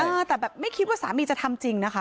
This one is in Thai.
เออแต่แบบไม่คิดว่าสามีจะทำจริงนะคะ